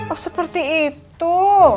oh seperti itu